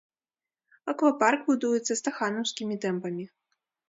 Аквапарк будуецца стаханаўскімі тэмпамі.